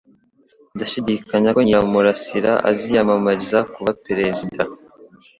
Ndashidikanya ko Nyiramurasira aziyamamariza kuba perezida.